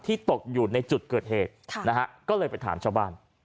ตกอยู่ในจุดเกิดเหตุนะฮะก็เลยไปถามชาวบ้าน